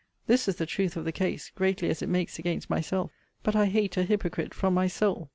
This is the truth of the case, greatly as it makes against myself. But I hate a hypocrite from my soul.